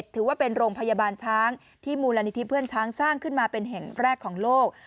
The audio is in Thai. ถือว่าเป็นโรงพยาบาลช้างที่มูลนิธิเพื่อนช้างสร้างขึ้นมาเป็นแห่งแรกของโลก